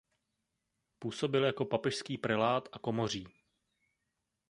Působil jako papežský prelát a komoří.